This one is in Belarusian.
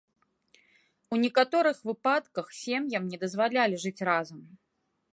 У некаторых выпадках сем'ям не дазвалялі жыць разам.